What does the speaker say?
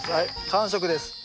完食です。